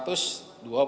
waktu perubahan ini